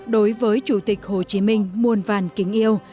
đối với chủ tịch hồ chí minh muôn vàn kính yêu